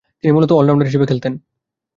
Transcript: তিনি মূলতঃ অল-রাউন্ডার হিসেবে খেলতেন।